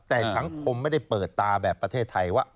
แต่สังคมไม่ได้เปิดตาแบบประเทศไทยว่า